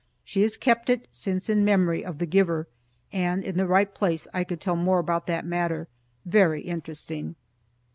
She has kept it since in memory of the giver, and, in the right place, I could tell more about that matter very interesting.